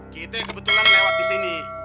kita kebetulan lewat di sini